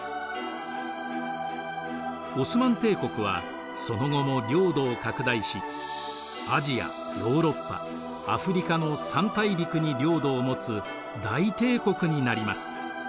オスマン帝国はその後も領土を拡大しアジアヨーロッパアフリカの三大陸に領土を持つ大帝国になります。